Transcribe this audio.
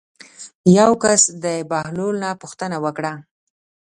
یو کس د بهلول نه پوښتنه وکړه.